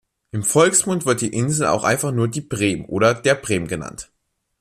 Im Volksmund wird die Insel auch einfach nur "die Brehm" oder "der Brehm" genannt.